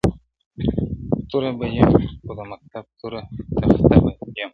توره به یم خو د مکتب توره تخته یمه زه.